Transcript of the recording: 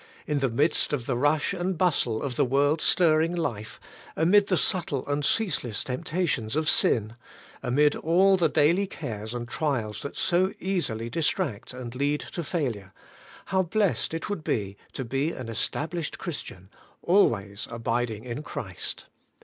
In the midst of the rush and bustle of the world's stirring life, amid the subtle and ceaseless temptations of sin, amid all the daily cares and trials that so easily distract and lead to failure, how blessed it would be to be an established Christian — always abiding in Christ!